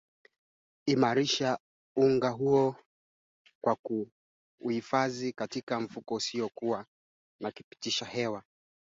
Ugonjwa wa minyoo na kuhara kwa ndama huathiri ngombe